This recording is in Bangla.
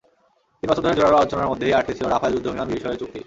তিন বছর ধরে জোরালো আলোচনার মধ্যেই আটকে ছিল রাফায়েল যুদ্ধবিমান বিষয়ের চুক্তি।